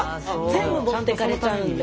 全部持ってかれちゃうんで。